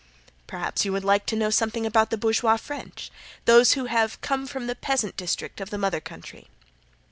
Perhaps you would like to know something about the bourgeoise French, those who have come from the peasant district of the mother country.